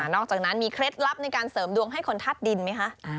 จากนั้นมีเคล็ดลับในการเสริมดวงให้คนธาตุดินไหมคะ